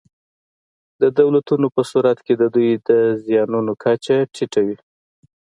د دولتونو په صورت کې د دوی د زیانونو کچه ټیټه وي.